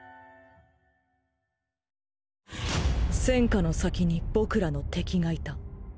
戦火の先に僕らの敵がいた。